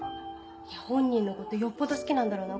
本人のことよっぽど好きなんだろうな